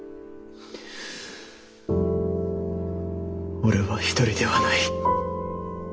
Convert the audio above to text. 俺は一人ではない。